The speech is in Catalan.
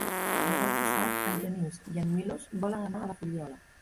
Demà passat en Genís i en Milos volen anar a la Fuliola.